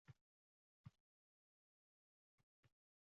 shuning uchun ularga takalluf qilib, hadyalar berib turuvdilar.